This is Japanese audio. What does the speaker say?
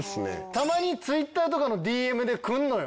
たまにＴｗｉｔｔｅｒとかのＤＭで来んのよ。